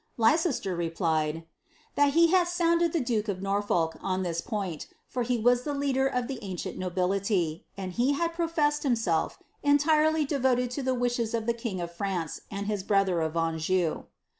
Leiceeler repljtd, "ihal he iiud Hmiiir.led itie ilnki; of Norfolk on that point, for he vras the leader of the ancient nobility, and he had professed himself entirely devoted to the wishes of the king of France and his brother of Anjou."